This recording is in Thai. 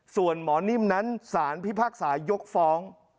ส่วนหมอนิ่มนั้นสารพิพากษายกฟ้อง